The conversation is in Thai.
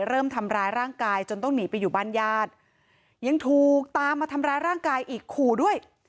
เริ่มทำร้ายร่างกายจนต้องหนีไปอยู่บ้านญาติยังถูกตามมาทำร้ายร่างกายอีกขู่ด้วย